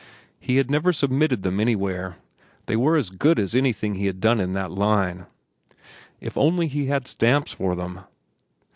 He had never submitted them anywhere. They were as good as anything he had done in that line. If only he had stamps for them!